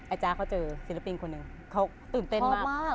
อาจารย์เขาเจอศิลปินหนึ่งเขาตื่นเต้นมาก